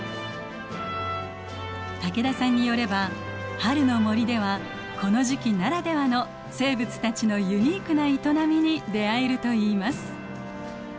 武田さんによれば春の森ではこの時期ならではの生物たちのユニークな営みに出会えるといいます。